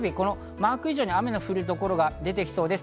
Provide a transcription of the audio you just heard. マーク以上に雨の降る所が出てきそうです。